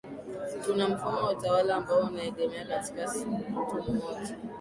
tuna mfumo wa utawala ambao unaegemea katika mtu moja